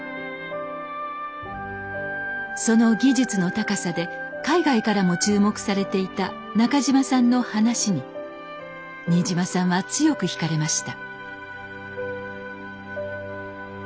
その技術の高さで海外からも注目されていた中島さんの話に新島さんは強く引かれました。